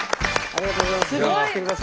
ありがとうございます。